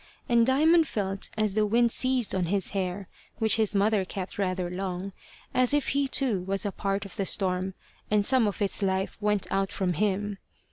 And Diamond felt as the wind seized on his hair, which his mother kept rather long, as if he too was a part of the storm, and some of its life went out from him.